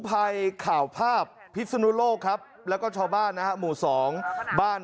ภัยข่าวภาพพิษุนุโลกแล้วก็ชาวบ้านนะครับหมู่สองบ้าน